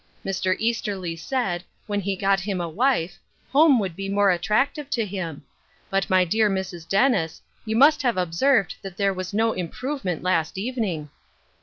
Mr. Easterly said, when he got him a wife, home would be more attractive to him ; but my dear Mrs. Dennis, you must have observed that there was no im provement last evening."